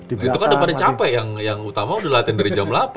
itu kan udah pada capek yang utama udah latihan dari jam delapan